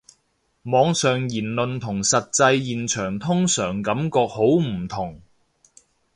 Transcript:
網上言論同實際現場通常感覺好唔同